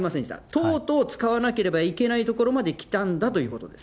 とうとう使わなければいけないところまで来たんだということです。